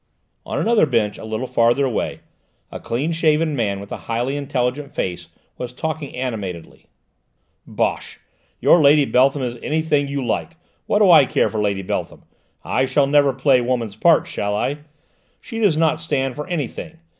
On another bench a little further away, a clean shaven man with a highly intelligent face was talking animatedly. "Bosh! Your Lady Beltham is anything you like: what do I care for Lady Beltham? I shall never play women's parts, shall I? She does not stand for anything.